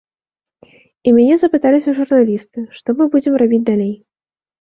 І мяне запыталіся журналісты, што мы будзем рабіць далей.